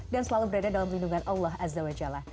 dan selalu berada dalam lindungan allah azza wa jalla